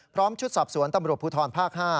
ชุดสอบสวนตำรวจภูทรภาค๕